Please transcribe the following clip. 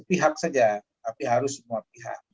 pihak saja tapi harus semua pihak